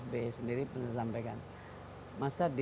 dan begitu juga saya pernah saya sampaikan zaman sba sendiri